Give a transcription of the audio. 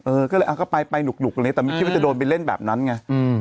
เออก็ไปนุกแต่ไม่คิดว่าจะโดนไปเล่นแบบนั้นไง